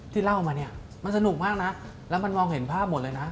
เล่ามาเนี่ยมันสนุกมากนะแล้วมันมองเห็นภาพหมดเลยนะ